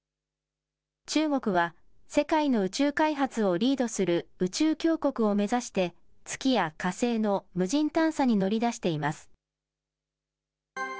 中国は、世界の宇宙開発をリードする宇宙強国を目指して、月や火星の無人探査に乗り出しています。